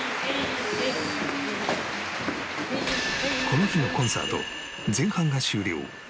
この日のコンサート前半が終了